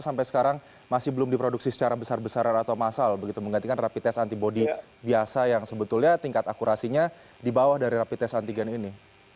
karena sekarang masih belum diproduksi secara besar besar atau masal begitu menggantikan rapi tes antibody biasa yang sebetulnya tingkat akurasinya di bawah dari rapi tes antigen ini